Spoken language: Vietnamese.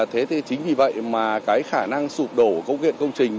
thế thì chính vì vậy mà cái khả năng sụp đổ công viện công trình